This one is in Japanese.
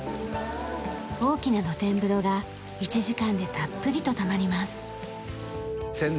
大きな露天風呂が１時間でたっぷりとたまります。